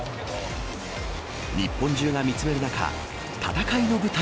日本中が見つめる中戦いの舞台